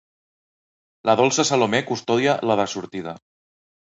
La dolça Salomé custodia la de sortida.